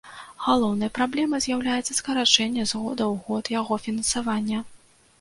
Галоўнай праблемай з'яўляецца скарачэнне з года ў год яго фінансавання.